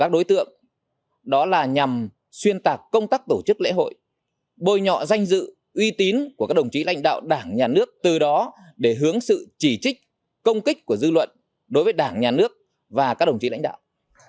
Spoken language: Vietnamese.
đối tượng đó là nhằm xuyên tạc công tác tổ chức lễ hội bồi nhọ danh dự uy tín của các đồng chí lãnh đạo đảng nhà nước từ đó để hướng sự chỉ trích công kích của dư luận đối với đảng nhà nước và các đồng chí lãnh đạo